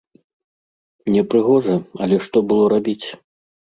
Непрыгожа, але што было рабіць?!